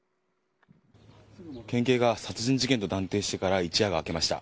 県警が殺人事件と断定してから一夜が明けました。